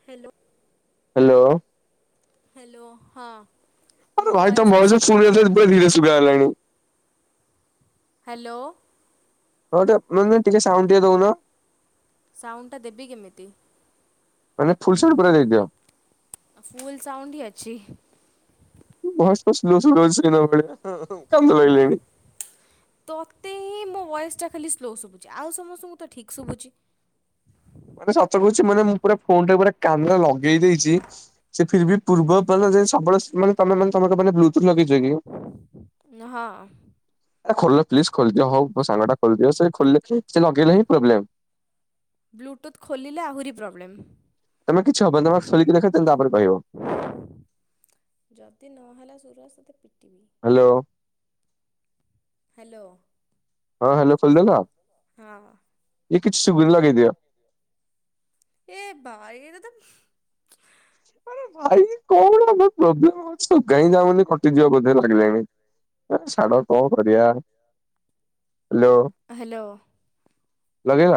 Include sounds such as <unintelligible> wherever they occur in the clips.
Hello. Hello. Hello ହଁ। ମୋ ଆରେ ଭାଇ ତ ଭଏସ୍ ମ ଭଏସ ଆସୁଛି ଫୁଣି ଆଉ ଥରେ ଧୀରେ ଶୁଭା ହେଲାଣି। ହ୍ୟାଲୋ। ହଁ ତ ମୁଁ କହିନି ଟିକେ ସାଉଣ୍ଡ ଟିକେ ଦଉନ ସାଉଣ୍ଡଟା ଦେବି କେମିତି? ତମେ ଫୁଲ୍ ସାଉଣ୍ଡ ପୁରା ଦେଇଦିଅ। ଫୁଲ ସାଉଣ୍ଡ ହି ଅଛି। ଭଏସ ପୁରା ସ୍ଲୋ ଶୁବାଯାଉଛି <unintelligible> ଭଳିଆ କାନ୍ଦ ଲାଗିଲାଣି। ତୋତେ ହିଁ ମୋ ଭଏସ ତା ଖାଲି ସ୍ଲୋ ଶୁଭୁଛି ଆଉ ସମସ୍ତଙ୍କୁ ତ ଠିକ୍ ଶୁଭୁଛି। ମାନେ ସତ କହୁଛି ମାନେ, ମୁଁ ପୁରା ଫୋନ ଟା ପୁରା କାନରେ ଲଗେଇ ଦେଇଛି ସେଥିରେ ବି ପୂର୍ବ ପର ଯେ ସବୁବେଳେ ମାନେ ତମ ମେ ମାନେ ତମେ କଣ ବ୍ଲୁଟୁଥ ଲଗେଇଛ କି? ହଁ। ଏ ଖୋଲ ପ୍ଲିଜ ଖୋଲିଦିଅ ହଉ ମୋ ସାଙ୍ଗ ଟା ଖୋଲିଦିଅ। ସେ ଖୋଲିଲେ ସେ ଲଗେଇଲେ ହିଁ ପ୍ରୋବ୍ଲେମ୍। ବ୍ଲୁଟ୍ରୁଥ ଖୋଲିଲେ ଆହୁରି ପ୍ରୋବ୍ଲେମ୍। ତମେ କିଛି ହବନି ତମେ ଖୋଲିକି ଦେଖ ତାପରେ କହିବ। ଯଦି ନହେଲା ସୁରସ ତତେ ପିଟିବି। ହ୍ୟାଲୋ। ହ୍ୟାଲୋ। ହଁ ହ୍ୟାଲୋ ଖୋଲିଲୁ ତ? ହଁ। ଏ କିଛି ସୁବୁ ଲଗେଇଦିଅ। ଏ ବାଇ ଏରା ତ ଆରେ ଭାଇ କଣ ଆମର ପ୍ରୋବ୍ଲେମ ଅଛି ଶୁଭା ହିଁ ଯାଉନି କଟିଯିବ ବୋଧେ ଲାଗିଲାଣି। ଏ ଛାଡ କଣ କରିବା। Hello hello. ଲଗେଇଲ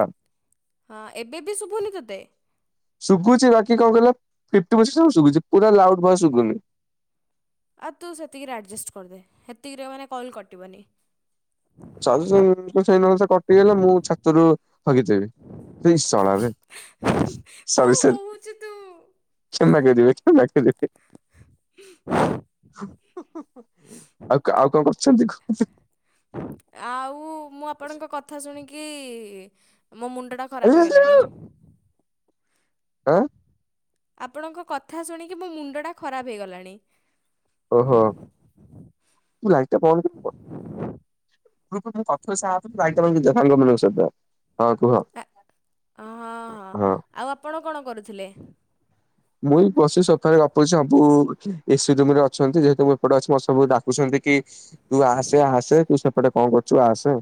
ହଁ ଏବେ ବି ଶୁଭୁନି ତତେ? ଶୁବୁଚି ବାକି କଣ କହିଲ ଫିଫ୍ଟି ପର୍ସେଣ୍ଟ ସାଉଣ୍ଡ ଶୁବୁଚି ପୁରା ଲାଉଡ ଭଏସ୍ ଶୁୁବୁନି। ଆଉ ତୁ ସେତିକିରେ ଆଡ଼ଜଷ୍ଟ କରିଦେ। ହେତିକିରେ ମାନେ କଲ୍ କଟିବନି। <unintelligible> କଟିଗଲେ ମୁଁ ଛାତରୁ ହଗିଦେବି। ଇ ଶଳାବେ, କଣ ସରି ସରି। <unintelligible> କ୍ଷମା କରିବେ, କ୍ଷମା କରିବେ। ହ <inaudible> ଆଉ ଆଉ କଣ କରୁଚନ୍ତି କୁହନ୍ତୁ? ଆଉ ମୁଁ ଆପଣଙ୍କ କଥା ଶୁଣିକି ମୋ ମୁଣ୍ଡଟା ଖରାପ ହେଇଗଲାଣି। ଆଁ ଆପଣଙ୍କ କଥା ଶୁଣିକି ମୋ ମୁଣ୍ଡଟା ଖରାପ ହେଇଗଲାଣି। ଓହୋ। ମୁଁ ଲାଇଟ୍ ଟା ବନ୍ଦ୍ କରିକି ପ <unintelligible> ସାଙ୍ଗ ମାନଙ୍କ ସହିତ। ହଁ କୁହ ଆ ହଁ। ଆଉ ଆପଣ କଣ କରୁଥିଲେ? ମୁଁ ଏଇ ବସିକି ସୋଫାରେ ଗପୁଚି। ସବୁ ଏସି ରୁମ ରେ ଅଛନ୍ତି ଯେହେତୁ ମୁଁ ଏପଟେ ଅଛି, ମତେ ସବୁ ଡାକୁଛନ୍ତି କି ତୁ ଆସେ ଆସେ ତୁ ସେପଟେ କଣ କରୁଚୁ ଆସେ।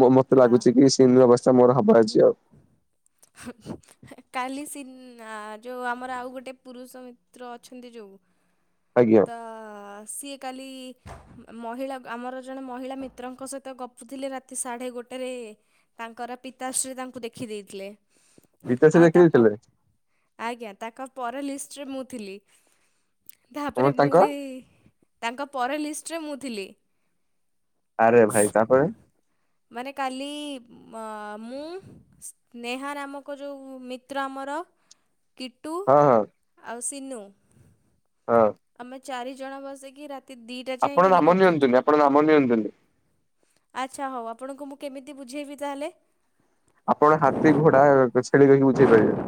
ମ ମତେ ଆ ଲାଗୁଛି କି ସେ। <unintelligible> ମୋର ହବ ଆଜି ଆଉ। <unintelligible> ଏ କାଲି ସି ନା ଯୋଉ ଆମର ଆଉ ଗୋଟେ ପୁରୁଷ ମିତ୍ର ଅଛନ୍ତି ଯୋଉ ଆଜ୍ଞା। ଆ ସିଏ କାଲି ମହିଳା ମହିଳା ଆମର ଜଣେ ମହିଳା ମିତ୍ରଙ୍କ ସହିତ ଗ ପୁଥିଲେ ରାତି ସାଢେ ଗୋଟେ ରେ, ତାଙ୍କର ପିତାଶ୍ରୀ ତାଙ୍କୁ ଦେଖି ଦେଇଥିଲେ। ଗୀତାଶ୍ରୀ ଆଉ ତା ପ, ଦେଖିଦେଇଥିଲେ ଆଜ୍ଞା ତାଙ୍କ ପର ଲିଷ୍ଟରେ ମୁଁ ଥିଲି। କଣ ତାପରେ ମୁଁ ତାଙ୍କ ବି, ତାଙ୍କ ପରେ ଲିଷ୍ଟରେ ମୁଁ ଥିଲି। ଆରେ ଭାଇ ତାପରେ ମାନେ କାଲି ମ ମୁଁ ସ୍ନେହା ନାମକ ଯୋଉ ମିତ୍ର ଆମର କିଟୁ ହଁ ହଁ। ଆଉ ସିନୁ ହଁ। ଆମେ ଚାରି ଜଣ ବସିକି ରାତି ଦି ଆପଣ ନାମ ନିଅନ୍ତୁନି ଆପଣ ନାମ ନିଅନ୍ତୁନି। ଆଚ୍ଛା ହଉ ଆପଣଙ୍କୁ ମୁଁ କେମିତି ବୁଝେଇବି ତାହେଲେ? ଆପଣ ହାତୀ, ଘୋଡା, ଛେଳି ଦେଇକି ବୁଝେଇ ପାରିବେ।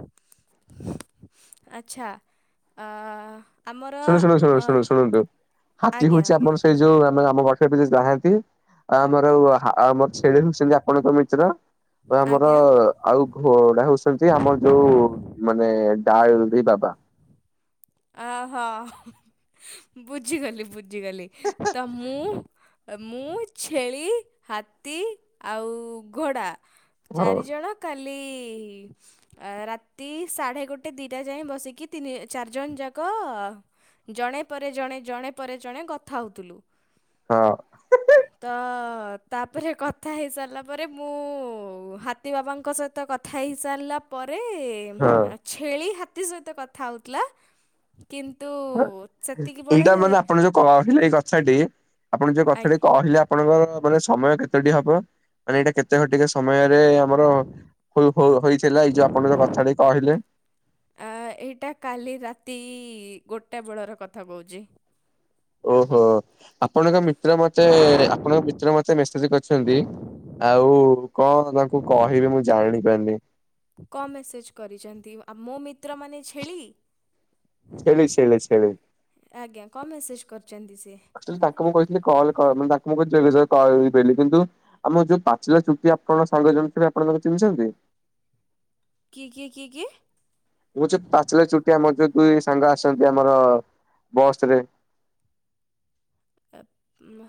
ଆଛା ଆ ଆମର ଶୁଣ ଶୁଣ ଶୁଣ ଅ, ଶୁଣ ଶୁଣନ୍ତୁ ହାତୀ ଆଜ୍ଞା ହଉଚି ଆଜ୍ଞା ଆମର ସେଇ ଯୋଉ ଆମେ ଆମ ହ୍ୱାଟ୍ସାଆପ୍ ରେ ଯିଏ ନାହାନ୍ତି। ଆଉ ଆମର ଆ ଆ ଆମର ଛେଳି ହଉଚନ୍ତି ଆପଣଙ୍କ ମିିତ୍ର। ଆମର ଆଜ୍ଞା ଆଉ ଘୋଡା ହଉ ଚନ୍ତି ଆମର ଯୋଉ ମାନେ <unintelligible> ବାବା। ଅ ହ। ବୁଝିଗଲି ବୁଝିଗଲି। ତ ମୁଁ ମୁଁ, ଛେଳି, ହାତୀ ଆଉ ଘୋଡ଼ା ହଁ ଚାରିଜଣ କାଲି ରାତି ସାଢେ ଗୋଟେ ଦିଟା ଯାଏ ବସିକି ତିନି ଚାର୍ ଜଣ ଯାକ ଜଣେ ପରେ ଜଣେ ଜଣେ ପରେ ଜଣେ କଥା ହଉଥିଲୁ। ହଁ। ତ ତାପରେ କଥା ହେଇ ସାରିଲା ପରେ ମୁଁ ହାତୀ ବାବାଙ୍କ ସ ତ କଥା ହେଇ ସାରିଲା ପରେ ଆ ଛେଳି ହାତୀ ସହିତ କଥା ହଉଥିଲା। କିନ୍ତୁ ହଁ। ସେତିକି ବେଳେ ଏଇଟା ମାନେ ଆପଣ ଯୋଉ କହିଲେ ଏଇ କଥାଟି, ଆପଣ ଯୋଉ କଥା ଟି ଆଜ୍ଞା କହିଲେ ଆ ଆପଣଙ୍କର ମାନେ ସମୟ କେତେଟି ହବ ମାନେ ଏଇଟା କେତେ ଘଟିକେ ସମୟରେ ଆମର ହୋ ହୋ ହେଇଥିଲା ଏଇ ଯୋଉ ଆପଣଙ୍କ କଥା ଟି କହିଲେ। ଆ ଏଇଟା କାଲି ରାତି ଗୋଟା ବେଳର କଥା କହୁଚି। ଓହୋ ଆପଣଙ୍କ ମିତ୍ର ମତେ ଆପଣଙ୍କ ମିତ୍ର ମତେ ମେସେଜ କରିଚନ୍ତି ଆଉ କଣ ତାଙ୍କୁ କହିବି ମୁଁ ଜାଣି ପାରୁନି। କ ମେସେଜ କରିଚନ୍ତି ଆ ମୋ ମିତ୍ରମାନେ ଛେଳି? ସେଳି ସେଳି ସେଳି। ଆଜ୍ଞା କଣ ମେସେଜ କରିଚନ୍ତି ସିଏ? ତାଙ୍କୁ ମୁଁ କହିଥିଲି କଲ କ ତାଙ୍କୁ ମୁଁ <unintelligible> କିନ୍ତୁ ଆମ ଯୋଉ ପାଚିଲା ଚୁଟି ଆପଣ ସାଙ୍ଗ ଜଣେ ଥିଲା ଆପଣ ତାଙ୍କୁ ଚିହ୍ନିଚନ୍ତି। କିଏ କିଏ କିଏ କିଏ? ମୁଁ ଯୋଉ ପାଚିଲା ଚୁଟି ଆମର ଯୋଉ କୁହେ ସାଙ୍ଗ ଆସନ୍ତି ଆମର ବସ ରେ। ଏ ମା।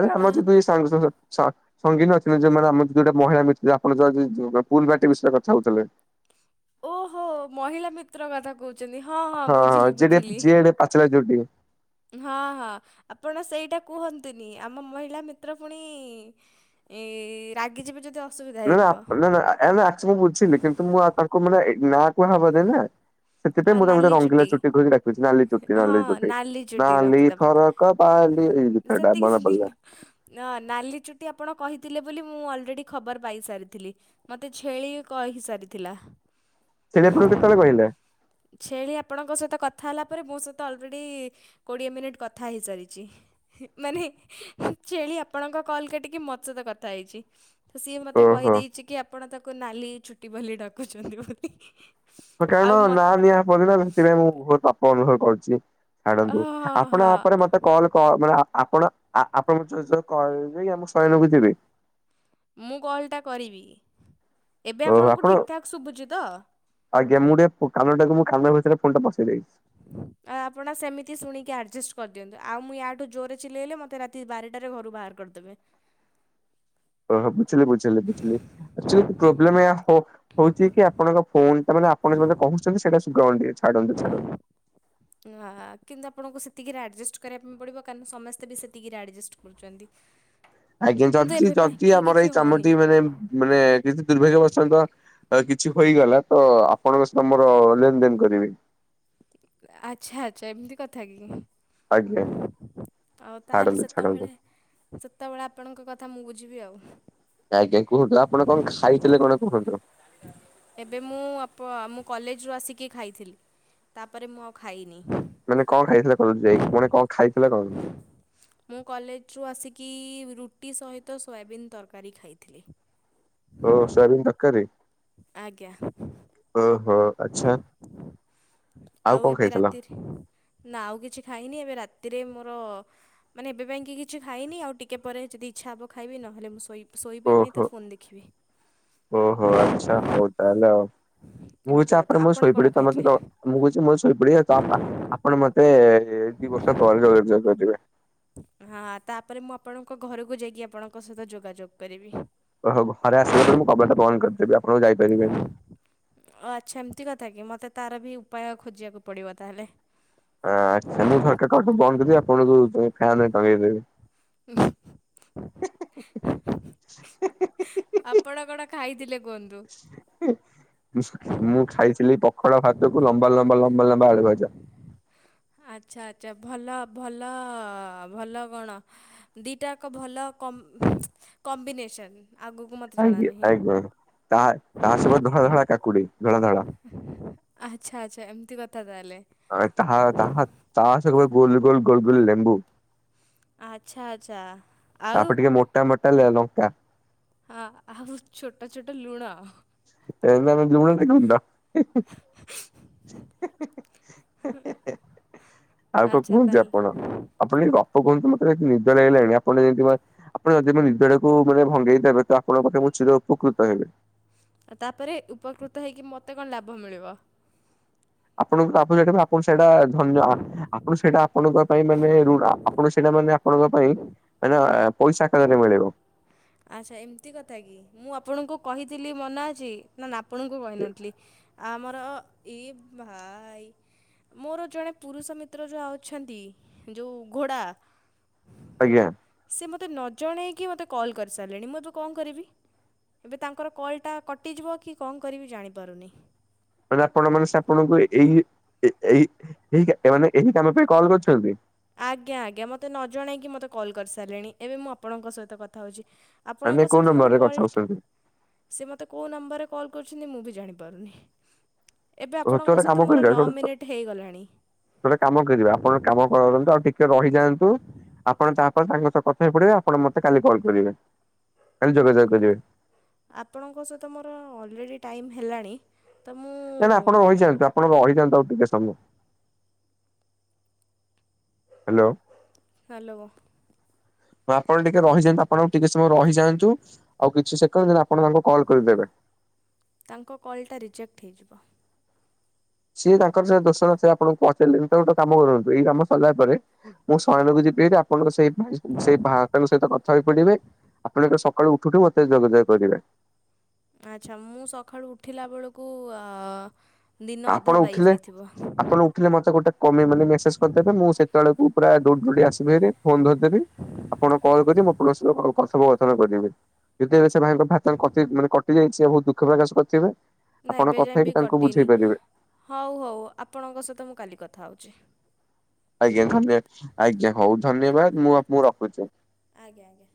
ଆରେ ଆମର ଦୁଇ ସାଙ୍ଗ ସଜୋ ସ ସଙ୍ଗୀନ <unintelligible> ଯୋଉମାନେ ଆମର ଯୋଉଟା ମହିଳା ମିଥିଲେ ଆପଣ ଯୋଉ ଆ ଜି ଯୁ ପୁଲ ବାଟି ବିଷୟରେ କଥା ହଉଥିଲେ। ଓହୋ ମହିଳା ମିତ୍ର କଥା କହୁଚନ୍ତି ହଁ ହଁ ବୁଝିଲି ଯିଏ ଟିକେ ବୁଝିଲି। ଯିଏ ଟିକେ ପାଚିଲା ଚୁଟି। ହଁ ହଁ ଆପଣ ସେଇଟା କୁହନ୍ତୁନି ଆମ ମହିଳା ମିତ୍ର ପୁଣି ଏଇ ରାଗିଯିବେ ଯଦି ଅ ନାନା ନାନା ଆ ମୁଁ ବୁଝିଲି କିନ୍ତୁ ମୁଁ ଆଉ ତାଙ୍କୁ ମାନେ ଏଇ ନା କୁହାହବ ନେନା ଆ ସେଥିପାଇଁ ମୁଁ ତାଙ୍କୁ ନାଲି ରଙ୍ଗିଲା ଚୁଟି କହିକି ଡାକେ। କହିଚି ନାଲି ଚୁଟି ହଁ ନାଲି ଚୁଟି ନାଲି ଚୁଟି ନାଲି ରଖିଦେବା ଫରକ ବାଲି ଏଇ ଗୀତଟା ମନେ ପଡିଲା। ନା ନାଲି ଚୁଟି ଆପଣ କହିଥିଲେ ବୋଲି ମୁଁ ଅଲରେଡ଼ି ଖବର ପାଇସାରିଥିଲି। ମତେ ଛେଳି କହିସାରିଥିଲା। ସେଟା ପୁଣି କେତେବେଳେ କହିଲା? ଛେଳି ଆପଣଙ୍କ ସହିତ କଥା ହେଲା ତାପରେ ମୋ ସହିତ ଅଲରେଡି କୋଡିଏ ମିନିଟ୍ କଥା ହେଇସାରିଛି। ମାନେ ଛେଳି ଆପଣଙ୍କ କଲ୍ କାଟିକି ମୋତ ସହିତ କଥା ହେଇଛି। ତ ସିଏ ମତେ ଓହୋ କହିଦେଇଛି କି ଆପଣ ତାକୁ ନାଲି ଚୁଟି ବାଲି ଡକୁଛନ୍ତି ବୋଲି। କାରଣ ଆଉ ନା ମତ ନିଆ ପନା ସେଥିପାଇଁ ମୁଁ ବହୁତ ପାପ ଅନୁଭବ କରୁଛି। ଛାଡ଼ନ୍ତୁ ହଁ ଆପଣ ହଁ ଆପରେ ମତେ କଲ କ ମାନେ ଆପଣ ଆପଣ କିବେ କି ଆମ ଶୟନ କୁ ଯିବି? ମୁଁ କଲ୍ ଟା କରିବି। ଏବେ ଓହୋ ଆପଣଙ୍କୁ ଆପଣ ଠିକ ଠାକ୍ ଶୁଭୁଛି ତ? ଆଜ୍ଞା ମୁଁ ଟିକେ କାନ ଟାକୁ କାନ ଭିତରେ ଫୋନ୍ ଟାକୁ ପସେଇ ଦେଇଛି। ଆଉ ଆପଣ ସେମିତି ଶୁଣିକି ଆଡ଼ଜଷ୍ଟ କରିଦଅନ୍ତୁ। ଆଉ ମୁଁ ୟାଠୁ ଜୋରରେ ଚିଲେଇଲେ ମୋତେ ରାତି ବାରଟାରେ ଘରୁ ବାହାର କରିଦେବେ। ଓ ବୁଝିଲି ବୁଝିଲ ବୁଝିଲି ଏକ୍ଟୁଆଲି ପ୍ରୋବ୍ଲେମ ଏୟା ହ ହଉଛି କି ଆପଣଙ୍କ ଫୋନ ଟା ମାନେ ଆପଣ ଜଉ ମାନେ କହୁଛନ୍ତି ସେଇଟା ଶୁଣାଯାଉନି ଛାଡନ୍ତୁ ଛାଡନ୍ତୁ। ଆ କିନ୍ତୁ ଆପଣଙ୍କୁ ସେତିକିରେ ଆଡଜଷ୍ଟ କରିବା ପାଇଁ ପଡିବ। କାରଣ ସମସ୍ତେ ବି ସେତିକିରେ ଆଡଜଷ୍ଟ କରୁଛନ୍ତି। ଆଜ୍ଞା କିନ୍ତୁ ଜଚି ଏବେ ପାଇଁ ଯଦି କି ଆମର କିଛି ଏଇ ହଉନି। କାମଟି ମାନେ ମାନେ କିଛି ଦୁର୍ଭାଗ୍ୟ ବସତ ଆ କିଛି ହୋଇଇଗଲା ତ ଆପଣଙ୍କ ତମର ଲେନ ଦେନ କରିବେ। ଆଚ୍ଛା ଆଛା ଏମିତି କଥା କି। ଆଜ୍ଞା। ଆଉ ତାହେଲେ ଛାଡନ୍ତୁ ଛାଡନ୍ତୁ ସେତେବେଳେ ସେତେବେଳେ ଆପଣଙ୍କ କଥା ମୁଁ ବୁଝିବି ଆଉ। ଆଜ୍ଞା କୁହନ୍ତୁ ଆପଣ କଣ ଖାଇଥିଲେ କଣ କୁହନ୍ତୁ? ଏବେ ମୁଁ ଆପ ମୁଁ କଲେଜରୁ ଆସିକି ଖାଇଥିଲି। ତାପରେ ମୁଁ ଆଉ ଖାଇନି। ମାନେ କଣ ଖାଇଥିଲେ କଲେଜ୍ ରୁ ଯାଇ ମାନେ କଣ ଖାଇଥିଲେ କଣ? ମୁଁ କଲେଜରୁ ଆସିକି ରୁଟି ସହିତ ସୋୟାବିନ୍ ତରକାରୀ ଖାଇଥିଲି। ଓ ସୋୟାବିନ ତକାରୀ। ଆଜ୍ଞା। ଓହୋ। ଆଚ୍ଛା ଆଉ କଣ ଏବେ ଖାଇଥିଲ? ରାତିରେ ନା ଆଉ କିଛି ଖାଇନି ଏବେ ରାତିରେ ମୋର ମାନେ ଏବେ ପାଇଁକି କିଛି ଖାଇନି ଆଉ ଟିକେ ପରେ ଯଦି ଇଚ୍ଛା ହବ ଖାଇବି ନହେଲେ ମୁଁ ଶୋଇ ଶୋଇବି ଓହୋ ନେହିଁତ ଫୋନ୍ ଦେଖିବି। ତାହାଲେଆଉ ମୁଁ ଏମିତି କଉଚି କଥା ଆପଣ କଣ ଶୋଇପଡ଼ିବେ ତମ ଖାଇଥିଲେ? ସହିତ ମୁଁ କହୁଚି ମୁଯାଉଚି ଶୋଇପଡ଼ିବି ତ ଆ ଆ ଆପ ଆପଣ ମତେ ଦି ବର୍ଷ। <unintelligible> ହଁ ତାପରେ ମୁଁ ଆପଣଙ୍କ ଘରକୁ ଯାଇକି ଆପଣଙ୍କ ସହିତ ଯୋଗାଯୋଗ କରିବି। ଓହୋ ଘରେ ଆସିଲା ପରେ ମୁଁ କବାଟ ବନ୍ଦ କରିଦେବି ଆପଣ ଆଉ ଯାଇପାରିବେନି। ଆଚ୍ଛା ଏମିତି କଥାକି ମୋତେ ତାରବି ଉପାୟ ଖୋଜିବାକୁ ପଡ଼ିବ ତାହେଲେ। ଆଚ୍ଛା ମୁଁ ଝରକା କବାଟକୁ ବନ୍ଦ କରଦେବି ଆପଣଙ୍କୁ ଫ୍ୟାନେରେ ଟଙ୍ଗେଇ ଦେବି। <unintelligible> ଆପଣ କଣ? ଖାଇଥିଲେ କୁହନ୍ତୁ? ମୁଁ ଖାଇଥିଲି ପଖାଳ ଭାତକୁ ଲମ୍ବା ଲମ୍ବା ଲମ୍ବା ଲମ୍ବା ଆଳୁ ଭଜା। ଆଚ୍ଛା ଆଚ୍ଛା ଭଲ ଭଲ ଭଲ କଣ? ଦିଟା ଏକ ଭଲ କମ୍ବ କମ୍ବିନେସନ ଆଗ ଥାଙ୍କ୍ୟୋଉ ଥଙ୍କ୍ୟୋଉ‌ ମାଡ଼ମ୍ ତା ତା ସବ ଧଳା ଧଳା କାକୁଡି ଧଳା ଧଳା। ଆଚ୍ଛା ଆଚ୍ଛା ଏମିତି କଥା ତାହେଲେ। ଆ ତାହା ତାହା ତାହା ସବୁ ଗୋଲ ଗୋଲ ଗୋଲ ଗୋଲ ଲେମ୍ବୁ। ଆଚ୍ଛା ଆଚ୍ଛା ଆଉ ତାପରେ ଟିକେ ମୋଟା ମୋଟା ଲେ ଲଙ୍କା। ହ ଆଉ ଛୋଟ ଛୋଟ ଲୁଣ। <unintelligible> ଆଉ କଣ କୁହନ୍ତୁ ଆଚ୍ଛା ତାହେଲେ ଆପଣ? ଆପଣ କିଛି ଗପ କୁହନ୍ତୁ ମତେ ଭାରି ନିଦ ଲାଗିଲାଣି ଆପଣ ଯେମିତି ଆପଣ ଯଦି ନିଦଟାକୁ ମାନେ ଭଙ୍ଗେଇ ଦେବେତ ଆପଣଙ୍କ ପାଖରେ ମୁଁ ଚିର ଉପକୃତ ହେବି। ଆଉ ତାପରେ ଉପକୃତ ହେଇକି ମୋତେ କଣ ଲାଭ ମିଳିବ? ଆପଣଙ୍କ ତାପ ସେଟା ଆପଣ ସେଇଟା ଧନ୍ୟ ଆପଣ ସେଇଟା ଆପଣଙ୍କ ପାଇଁ ମାନେ ଋଣ ଆପଣ ସେଇଟା ମାନେ ଆପଣଙ୍କ ପାଇଁ ମାନେ ପଇସା ଆକାରରେ ମିଳିବ। ଆଚ୍ଛା ଏମିତି କଥାକି ମୁଁ ଆପଣଙ୍କୁ କହିଥିଲି ମନେ ଅଛି ନା ନା ଆପଣଙ୍କୁ କହିନଥିଲି ଆମର ଇ ଭାଇ ମୋର ଜଣେ ପୁରୁଷ ମିତ୍ର ଯୋଉ ଅଛନ୍ତି ଯୋଉ ଘୋଡ଼ା ଆଜ୍ଞା। ସେ ମୋତେ ନଜଣେଇକି ମୋତେ କଲ୍ କରିସାରିଲେଣି ମୁଁ ଏବେ କଣ କରିବି? ଏବେ ତାଙ୍କର କଲ୍ଟା କଟିଯିବ କିକଣ କରିବି ଜାଣିପାରୁନି? ମାନେ ଆପଣ ମାନେ ସେ ଆପଣଙ୍କୁ ଏଇ ଏଇ ମାନେ ଏଇ କାମ ପାଇଁ କଲ୍ କରିଚନ୍ତି? ଆଜ୍ଞା ଆଜ୍ଞା ମୋତେ ନଜଣେଇକି ମୋତେ କଲ୍ କରିସାରିଲେଣି ଏବେ ମୁଁ ଆପଣଙ୍କ ସହିତ କଥା ହୋଉଚି ମାନେ ଆପଣଙ୍କ କୋଉ ସହିତ ମୋର ନମ୍ବରରେ କଲ୍ କଥା ହଉଛନ୍ତି? ସେ ମୋତେ କୋଉ ନମ୍ବରରେ କଲ୍ କରିୁଛନ୍ତି ମୁଁ ବି ଜାଣିପାରୁନି। ଏବେ ଓ ତୁ ଆପଣଙ୍କ ଗୋଟେ କାମ ସହିତ ମୋର ନଅ କରିବା ମିନିଟ୍ ହେଇଗଲାଣି। ଗୋଟେ କାମ କରିବା ଆପଣ କାମ କରନ୍ତୁ ଆଉ ଟିକେ ରହିଯାଆନ୍ତୁ। ଆପଣ ତାପରେ ତାଙ୍କ ସହ କଥା ହେଇ ପଡ଼ିବେ ଆପଣ ମତେ କାଲି କଲ୍ କରିବେ କାଲି ଯୋଗାଯୋଗ କରିବେ। ଆପଣଙ୍କ ସହିତ ମୋର ଅଲରେଡ଼ି ଟାଇମ୍ ହେଲାଣି ତ ମୁଁ କାଇଁନା ଆପଣ ରହିଯାଆନ୍ତୁ ଆପଣ ରହିଯାଆନ୍ତୁ ଆଉ ଟିକେ ସମୟ। ହାଲୋ। ହାଲୋ। ହଁ ଆପଣ ଟିକେ ରହିଯାନ୍ତୁ ଆପଣ ଆଉ ଟିକେ ସମୟ ରହିଯାଆନ୍ତୁ ଆଉ କିଛି ସେକେଣ୍ଡ ଆପଣ ତାଙ୍କୁ କଲ୍ କରିଦେବେ। ତାଙ୍କ କଲ୍ଟା ରିଜେକ୍ଟ ହେଇଯିବ। ସିଏ ତାଙ୍କର ଯାଦୋଷ ନଥାଇ ଆପଣଙ୍କୁ ପହଚାଇଲେନିତ ଗୋଟେ କାମ କରନ୍ତୁ ଏଇ କାମ ସରିଲା ପରେ ମୁଁ ଶୟନକୁ ଯିବି ଏବେ ଆପଣଙ୍କ ସେଇ ଭାଇ ସେଇ ଭାତଙ୍କ ସହିତ କଥା ପଡ଼ିବେ ଆପଣ କ ସକାଳୁ ଉଠୁଉଠୁ ମତେ ଯୋଗାଯୋଗ କରିବେ। ଆଚ୍ଛା ମୁଁ ସକାଳୁ ଉଠିଲା ବେଳକୁ ଅ ଆପଣ ଉଠିଲେ ଆପଣ ଉଠିଲେ ମତେ ଗୋଟେ କମି ମାନେ ମେସେଜ କରିଦେବେ ମୁଁ ସେ ତେଳକୁ ପୁରା ଦୌଡି ଦୌଡ଼ି ଆସିବି ହାରି। ଫୋନ ଧରିଦେବି ଆପଣ କଲ୍ କରିବେ ମୋ ପ୍ଲସ କଥୋପକଥନ କରିବି। ଯେତେଳେ ସେ ଭାଇଙ୍କଥା ଭା କଟି ମାନେ କଟିଯାଇଛି ସେ ବହୁତ ଦୁଃଖ ପ୍ରକାଶ କରିଥିବେ। ନା ଆପଣ ଏବେ କଥା ଯାଏ ହେଇକି ବି ତାଙ୍କୁ ବୁଝେଇ କଟିନି ପାରିବେ ହଉ ହଉ ଆପଣଙ୍କ ସହିତ ମୁଁ କାଲି କଥା ହେଉଛି। ଆଜ୍ଞା ଧନ୍ୟ ଆଜ୍ଞା ହଉ ଧନ୍ୟବାଦ ମୁଁ ଆପ ମୁଁ ରଖୁଛି। ଆଜ୍ଞା ଆଜ୍ଞା।